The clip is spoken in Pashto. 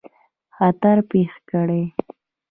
خطر پېښ کړي.